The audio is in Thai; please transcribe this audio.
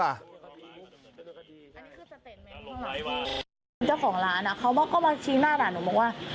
เจ้าของร้านเขาก็มาชี้หน้าหน่าหนูบอกว่า